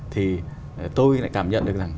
thì tôi lại cảm nhận được rằng